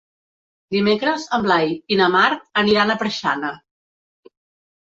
Dimecres en Blai i na Mar aniran a Preixana.